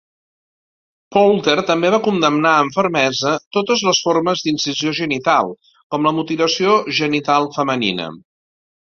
Poulter també va condemnar amb fermesa totes les formes d'incisió genital, com la mutilació genital femenina.